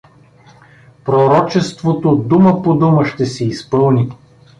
Пророчеството дума по дума ще се изпълни.